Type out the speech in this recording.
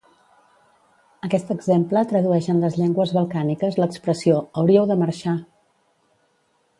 Aquest exemple tradueix en les llengües balcàniques l'expressió "Hauríeu de marxar!"